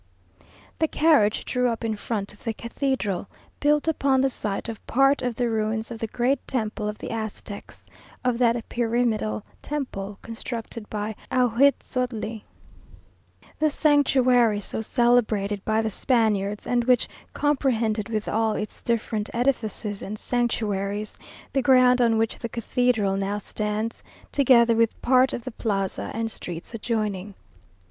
The carriage drew up in front of the cathedral, built upon the site of part of the ruins of the great temple of the Aztecs; of that pyramidal temple, constructed by Ahuitzotli, the sanctuary so celebrated by the Spaniards, and which comprehended with all its different edifices and sanctuaries, the ground on which the cathedral now stands, together with part of the plaza and streets adjoining.